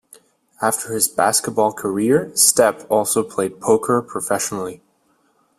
After his basketball career, Stepp also played poker professionally.